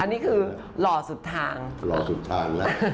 อันนี้คือหล่อสุดทางหล่อสุดทางแล้ว